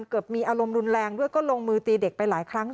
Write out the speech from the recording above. เกิดมีอารมณ์รุนแรงด้วยก็ลงมือตีเด็กไปหลายครั้ง